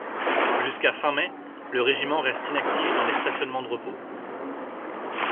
Jusqu’à fin mai, le régiment reste inactif dans des stationnements de repos.